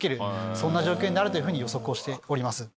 そんな状況になるというふうに予測をしております。